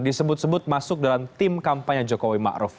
disebut sebut masuk dalam tim kampanye jokowi ma'ruf